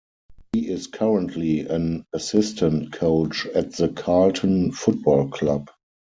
He is currently an assistant coach at the Carlton Football Club.